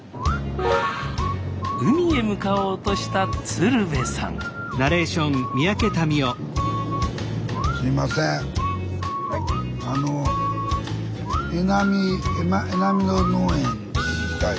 海へ向かおうとした鶴瓶さんエナミド農園？